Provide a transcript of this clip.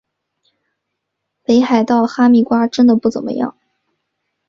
北海道哈密瓜真的不怎么样